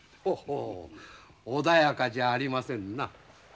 ほほう穏やかじゃありませんな。